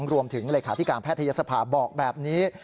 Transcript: รวมถึงเลขาธิการแพทยศภาบอกแบบนี้